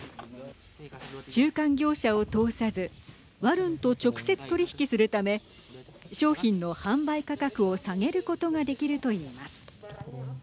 中間業者を通さずワルンと直接取り引きするため商品の販売価格を下げることができるといいます。